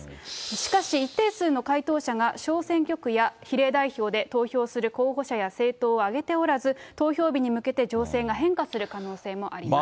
しかし、一定数の回答者が小選挙区や比例代表で投票する候補者や政党を挙げておらず、投票日に向けて情勢が変化する可能性もあります。